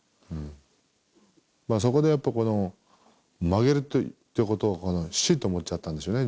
そこでやっぱ負けるってことを死と思っちゃったんでしょうね